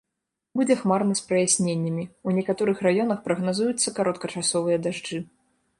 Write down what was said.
Будзе хмарна з праясненнямі, у некаторых раёнах прагназуюцца кароткачасовыя дажджы.